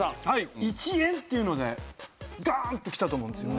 １円っていうのでガーンときたと思うんですよ。